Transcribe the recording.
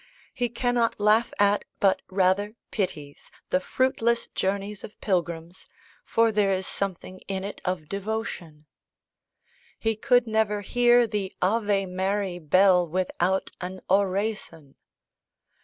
He cannot laugh at, but rather pities, "the fruitless journeys of pilgrims for there is something in it of devotion." He could never "hear the Ave Mary! bell without an oraison."